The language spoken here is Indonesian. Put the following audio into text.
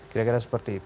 kira kira seperti itu